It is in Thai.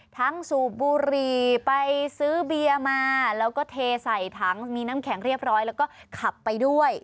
สูบบุหรี่ไปซื้อเบียร์มาแล้วก็เทใส่ถังมีน้ำแข็งเรียบร้อยแล้วก็ขับไปด้วย